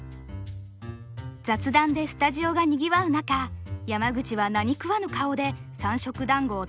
雑談でスタジオがにぎわう中山口は何食わぬ顔で三色団子をテンパイ。